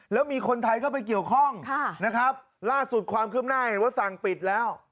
แล้วมีคนไทยเข้าไปเกี่ยวข้องนะครับล่าสุดความขึ้นหน้าเห็นว่าสั่งปิดแล้ว